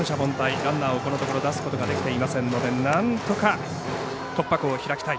ランナーをこのところ出すことができていませんのでなんとか突破口を開きたい。